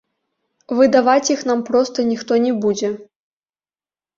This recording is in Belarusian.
Выдаваць іх нам проста ніхто не будзе!